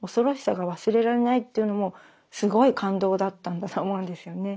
というのもすごい感動だったんだと思うんですよね。